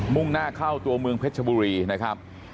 ่งหน้าเข้าตัวเมืองเพชรชบุรีนะครับ